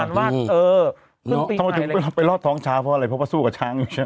ทำไมถึงไปรอดท้องช้างเพราะอะไรเพราะว่าสู้กับช้างอย่างนี้ใช่ไหม